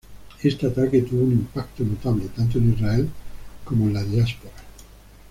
Este ataque tuvo un impacto notable, tanto en Israel como en la diáspora.